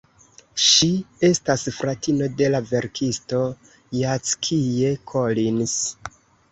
Ŝi estas fratino de la verkisto Jackie Collins.